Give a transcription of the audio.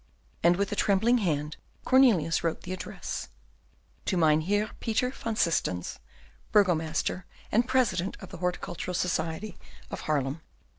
And with a trembling hand Cornelius wrote the address, "To Mynheer Peter van Systens, Burgomaster, and President of the Horticultural Society of Haarlem."